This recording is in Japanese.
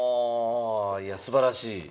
いやすばらしい。